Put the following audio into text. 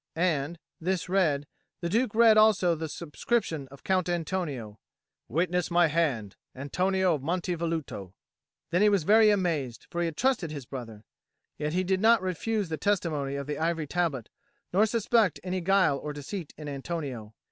And, this read, the Duke read also the subscription of Count Antonio "Witness my hand ANTONIO of Monte Velluto." Then he was very amazed, for he had trusted his brother. Yet he did not refuse the testimony of the ivory tablet nor suspect any guile or deceit in Antonio.